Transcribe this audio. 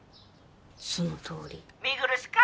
そのとおり☎見苦しか！